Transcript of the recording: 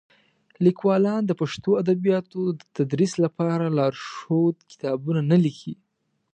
لیکوالان د پښتو ادبیاتو د تدریس لپاره لارښود کتابونه نه لیکي.